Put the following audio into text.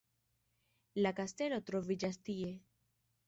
La kastelo troviĝas tie!